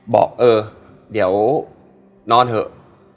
บอกเออเดี๋ยวนอนเถอะ